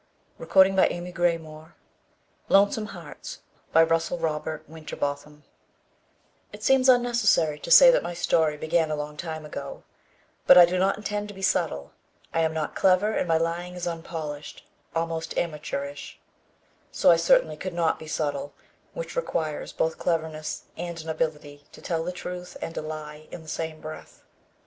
_ lonesome hearts By RUSS WINTERBOTHAM Illustrated by Kelly Freas It seems unnecessary to say that my story began a long time ago, but I do not intend to be subtle. I am not clever and my lying is unpolished, almost amateurish. So I certainly could not be subtle, which requires both cleverness and an ability to tell the truth and a lie in the same breath.